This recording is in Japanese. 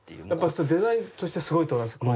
やっぱりデザインとしてすごいと思いますか？